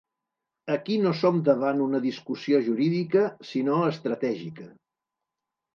Aquí no som davant una discussió jurídica sinó estratègica.